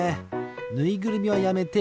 ぬいぐるみはやめて。